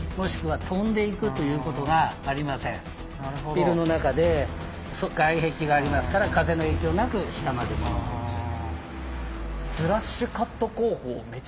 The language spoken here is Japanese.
ビルの中で外壁がありますから風の影響なく下まで物が下ろせる。